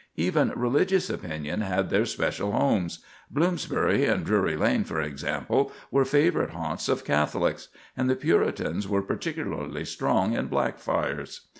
Even religious opinions had their special homes. Bloomsbury and Drury Lane, for example, were favorite haunts of Catholics; and the Puritans were particularly strong in Blackfriars.